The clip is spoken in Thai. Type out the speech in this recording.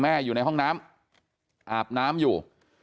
อยู่ในห้องน้ำอาบน้ำอยู่